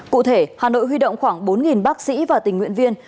cụ thể hà nội huy động khoảng bốn bác sĩ và tình nguyện viên